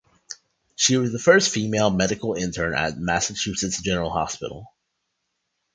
She was the first female medical intern at Massachusetts General Hospital.